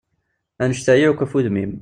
Annect-a yak, af udem-im!